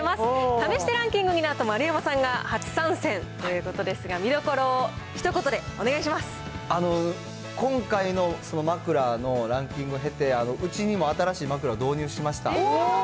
試してランキングに、なんと丸山さんが初参戦。ということですが、見どころをひ今回の枕のランキングを経て、うちにも新しい枕を導入しました。